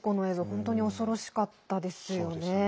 本当に恐ろしかったですよね。